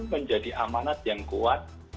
menjadi amanat yang kuat